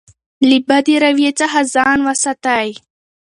له بدې رویې څخه ځان وساتئ.